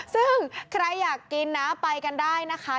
ซึ่งใครอยากกินนะไปกันได้นะคะ